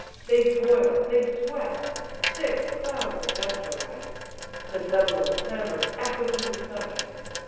They toil, they sweat, thick clouds of dust arise, The doubling clamours echo to the skies.